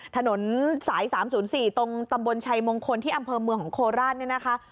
ถนนสาย๓๐๔ตรงตำบลชัยมงคลที่อำเภอเมืองของโคราชเนี่ยนะคะ